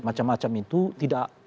macam macam itu tidak